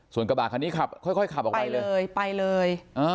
ส่วนกระบาดคันนี้ขับค่อยขับออกไปเลยไปเลย